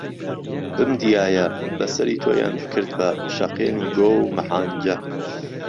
بمدییایه به سەری تۆیان بکردبا شهقێن و گۆو مهحانجه